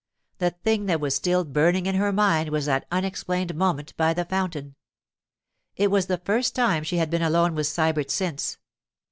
The thing that was still burning in her mind was that unexplained moment by the fountain. It was the first time she had been alone with Sybert since.